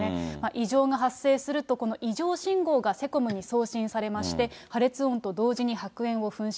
異常が発生すると、この異常信号がセコムに送信されまして、破裂音と同時に白煙を噴射。